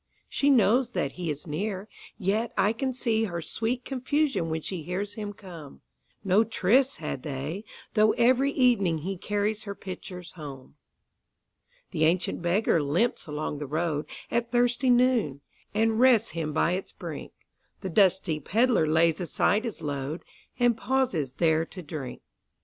She knows that he is near, yet I can seeHer sweet confusion when she hears him come.No tryst had they, though every evening heCarries her pitchers home. The ancient beggar limps along the roadAt thirsty noon, and rests him by its brink; The dusty pedlar lays aside his load, And pauses there to drink.